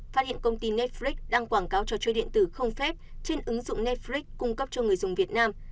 phát hiện công ty netflix đang quảng cáo trò chơi điện tử không phép trên ứng dụng netflix cung cấp cho người dùng việt nam